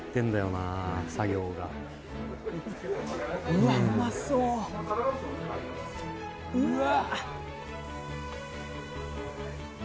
うわうまそううわ